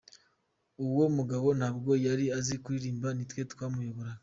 Uwo mugabo ntabwo yari azi kuririmba nitwe twamuyoboraga.